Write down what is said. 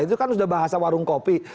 itu kan sudah bahasa warung kopi